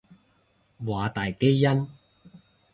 華大基因